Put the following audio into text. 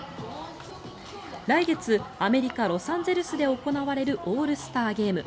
来月、アメリカ・ロサンゼルスで行われるオールスターゲーム。